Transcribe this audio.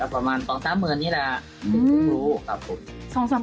ประมาณ๒๓หมื่นนี่แหละ๒๕๐๐๐๐ครับผม